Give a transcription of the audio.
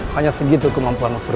hanya segitu kemampuanmu seru